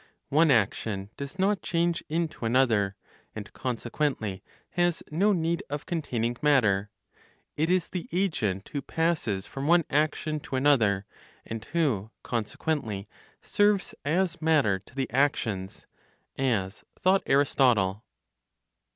One action does not change into another, and consequently has no need of containing matter; it is the agent who passes from one action to another, and who, consequently, serves as matter to the actions (as thought Aristotle).